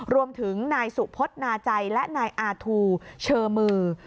รวมถึงนายสุพธนาใจและนายอาทูเชอมือ